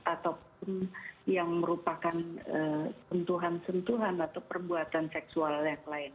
ataupun yang merupakan sentuhan sentuhan atau perbuatan seksual yang lain